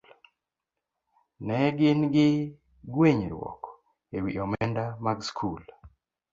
Ne gin gi gwenyruok e wi omenda mag skul.